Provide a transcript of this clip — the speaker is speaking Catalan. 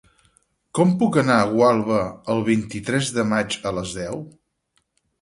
Com puc anar a Gualba el vint-i-tres de maig a les deu?